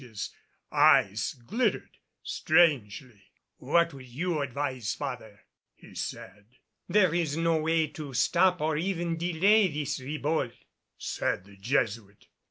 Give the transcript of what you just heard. His eyes glittered strangely. "What would you advise, father?" he said. "There is no way to stop or even delay this Ribault," said the Jesuit.